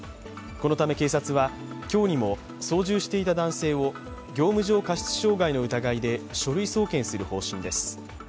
このため警察は、今日にも操縦していた男性を業務上過失傷害の疑いで書類送検する方針です。